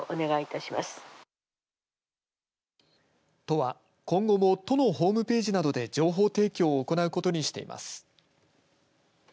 都は今後も都のホームページなどで情報提供を行うことにしています。